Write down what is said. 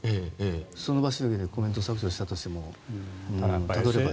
その場しのぎでコメントを削除したとしてもたどれば。